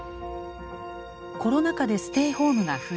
コロナ禍でステイホームが増え